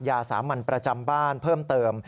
สามัญประจำบ้านเพิ่มเติม